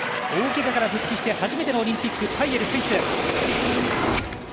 大ケガから復帰して初めてのオリンピックパイエル、スイス。